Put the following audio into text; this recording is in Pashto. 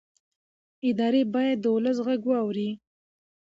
ادارې باید د ولس غږ واوري